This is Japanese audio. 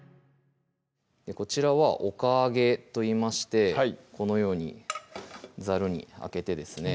こちらはおかあげといいましてこのようにザルにあけてですね